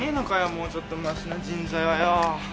もうちょっとマシな人材はよ。